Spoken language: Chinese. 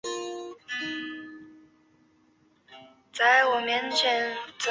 而那些列车绝大部分是急行与特急列车。